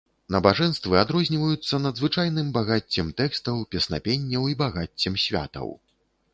Набажэнствы адрозніваюцца надзвычайным багаццем тэкстаў, песнапенняў і багаццем святаў.